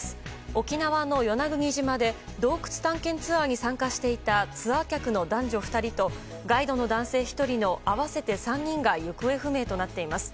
沖縄の与那国島で洞窟探検ツアーに参加していたツアー客の男女２人とガイドの男性１人の合わせて３人が行方不明となっています。